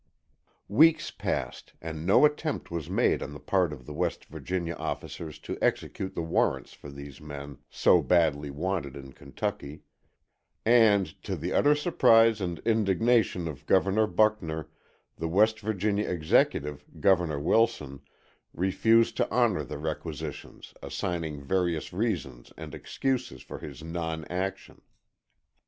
Weeks passed and no attempt was made on the part of the West Virginia officers to execute the warrants for these men so badly wanted in Kentucky, and, to the utter surprise and indignation of Governor Buckner, the West Virginia Executive, Governor Wilson, refused to honor the requisitions, assigning various reasons and excuses for his non action.